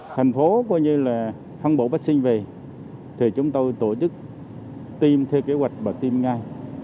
thành phố coi như là phân bổ vaccine về thì chúng tôi tổ chức tiêm theo kế hoạch và tiêm ngay